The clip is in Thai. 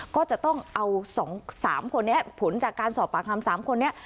ก็จะต้องเอา๒๓คนนี้ผลจากการสอบปากคำ๓คนนี้